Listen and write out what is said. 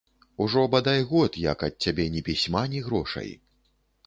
Ужо бадай год, як ад цябе ні пісьма, ні грошай.